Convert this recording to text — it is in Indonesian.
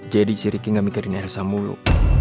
jadi si ricky gak mikirin elsa mulu